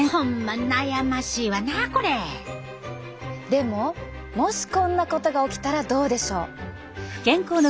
でももしこんなことが起きたらどうでしょう。